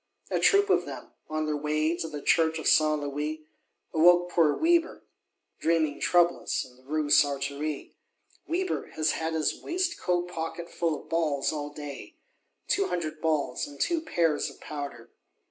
A troop of them, on their way to the Church of Saint Louis, awoke poor Weber, dreaming troublous, in the Rue Sartory. Weber has had his waistcoat pocket full of balls all day; "two hundred balls, and two pears of powder!"